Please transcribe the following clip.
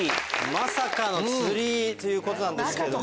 まさかの釣りということなんですけども。